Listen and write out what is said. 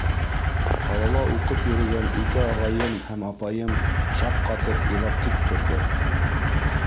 Ҡалала уҡып йөрөгән ике ағайым һәм апайым шаҡ ҡатып илап тик торҙо.